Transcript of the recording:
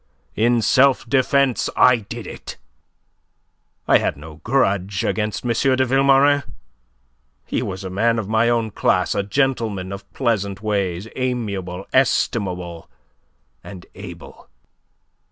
In self defence I did it. I had no grudge against M. de Vilmorin. He was a man of my own class; a gentleman of pleasant ways, amiable, estimable, and able.